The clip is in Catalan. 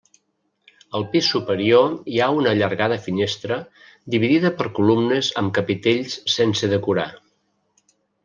Al pis superior hi ha una allargada finestra dividida per columnes amb capitells sense decorar.